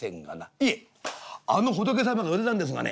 「いえあの仏様が売れたんですがね